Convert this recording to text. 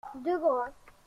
Deux grands.